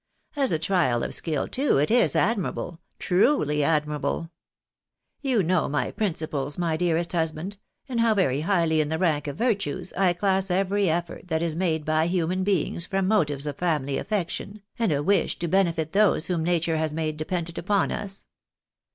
As a trial of skill, too, it is admirable, truly admirable ! You know my prin ciples, my dearest husband, and how very highly in the rank of virtues I class every effort that is made by human beings from motives of family affection, and a wish to benefit those whom nature has made dependent upon us.